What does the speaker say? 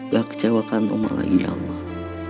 gak kecewakan allah lagi ya allah